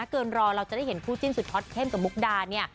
รอเราจะได้เห็นคู่จิ้นสุดฮอตเข้มกับมุกดาเนี่ย